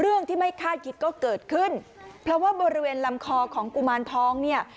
เรื่องที่ไม่คาดคิดก็เกิดขึ้นเพราะว่าบริเวณลำคอของกุมารทองเนี่ย